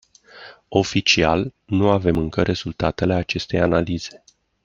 Oficial, nu avem încă rezultatele acestei analize.